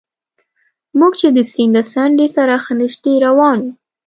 موږ چې د سیند له څنډې سره ښه نژدې روان وو.